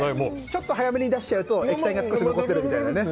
ちょっと早めに出しちゃうと液体が溶けるみたいなね。